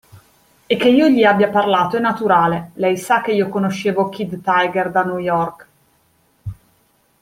E che io gli abbia parlato è naturale, Lei sa che io conoscevo Kid Tiger da New York.